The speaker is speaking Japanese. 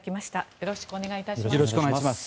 よろしくお願いします。